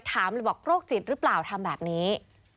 ถามเลยบอกโรคจิตหรือเปล่าทำแบบนี้